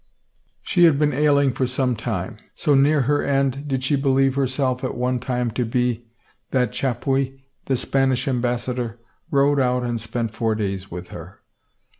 She had been ailing for some time; so near her end did she believe herself at one time to be that Chapuis, the Spanish Ambassador, 294 THE WRITING ON THE WALL rode out and spent four days with her.